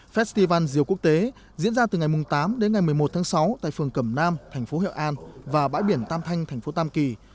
festival di sản quảng nam diễn ra từ ngày tám đến ngày một mươi một tháng sáu tại phường cầm nam thành phố hiệu an và bãi biển tam thanh thành phố tam kỳ